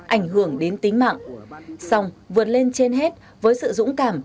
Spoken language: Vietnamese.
ảnh hưởng đến tính mạng xong vượt lên trên hết với sự dũng cảm